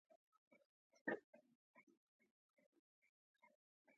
• دا اختراع د روښنایۍ لپاره لوی بدلون و.